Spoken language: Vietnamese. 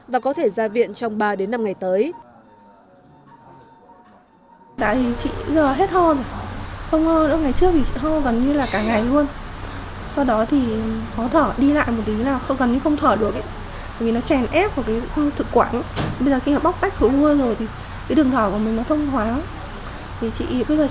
và có thể ra viện trong ba đến năm ngày tới